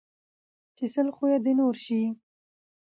ـ چې سل خويه د نور شي